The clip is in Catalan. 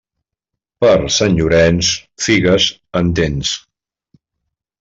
Per Sant Llorenç, figues, en tens.